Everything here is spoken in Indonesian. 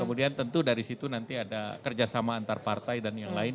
kemudian tentu dari situ nanti ada kerjasama antar partai dan yang lain